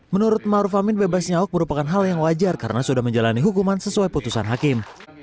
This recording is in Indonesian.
menurut ⁇ maruf ⁇ amin bebasnya ahok merupakan hal yang wajar karena sudah menjalani hukuman sesuai putusan hakim